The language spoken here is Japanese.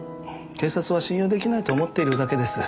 警察は信用出来ないと思っているだけです。